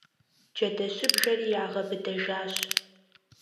Джэдэщыбжэри ягъэбыдэжащ.